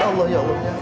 ya allah ya allah